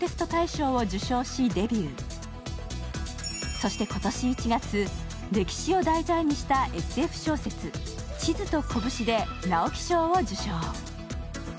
そして今年１月、歴史を題材にしたＳＦ小説「地図と拳」で直木賞を受賞。